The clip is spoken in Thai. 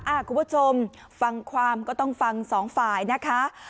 คุณผู้ชมฟังความก็ต้องฟังสองฝ่ายนะคะ